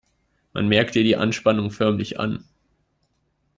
Man merkt ihr die Anspannung förmlich an.